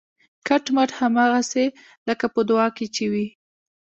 کټ مټ هماغسې لکه په دعا کې چې وي